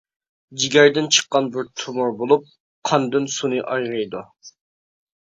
جىگەردىن چىققان بىر تومۇر بولۇپ، قاندىن سۇنى ئايرىيدۇ.